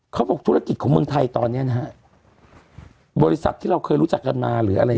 ของเมืองไทยตอนนี้นะฮะบริษัทที่เราเคยรู้จักกันมาหรืออะไร